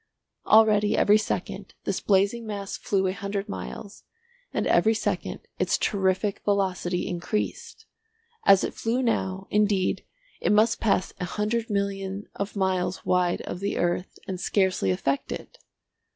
Already every second this blazing mass flew a hundred miles, and every second its terrific velocity increased. As it flew now, indeed, it must pass a hundred million of miles wide of the earth and scarcely affect it.